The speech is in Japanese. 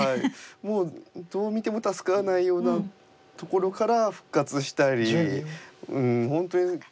もうどう見ても助からないようなところから復活したりうん本当に。